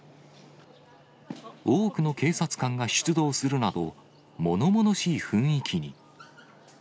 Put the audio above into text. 多くの警察官が出動するなど、ものものしい雰囲気に。